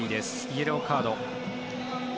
イエローカード。